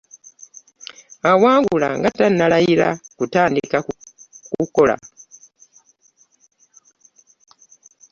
Awangula nga tannalayira kutandika kukola?